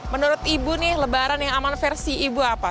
menurut ibu nih lebaran yang aman versi ibu apa